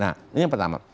nah ini yang pertama